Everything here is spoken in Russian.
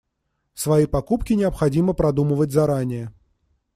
Свои покупки необходимо продумывать заранее.